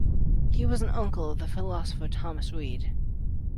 He was an uncle of philosopher Thomas Reid.